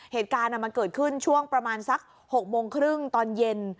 เหตุการณ์มันเกิดขึ้นช่วงประมาณสัก๖โมงครึ่งตอนเย็น